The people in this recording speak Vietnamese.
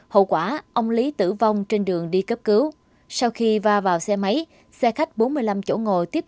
hậu quả ông lý tử vong trên đường đi cấp cứu sau khi va vào xe máy xe khách bốn mươi năm chỗ ngồi tiếp